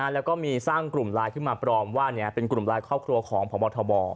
แล้วก็มีสร้างกลุ่มไลน์ขึ้นมาปลอมว่าเป็นกลุ่มไลน์ครอบครัวของพบทบ